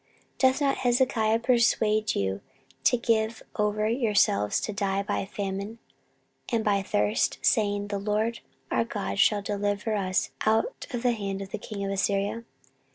14:032:011 Doth not Hezekiah persuade you to give over yourselves to die by famine and by thirst, saying, The LORD our God shall deliver us out of the hand of the king of Assyria?